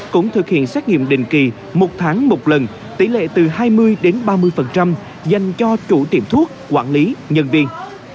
cũng thực hiện xét nghiệm định kỳ một tháng một lần tỷ lệ từ hai mươi đến ba mươi dành cho chủ tiệm thuốc quản lý nhân viên